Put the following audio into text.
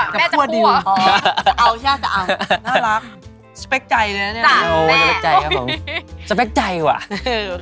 กลัวแม่จะกลัว